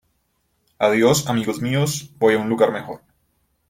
Adiós, amigos míos. Voy a un lugar mejor .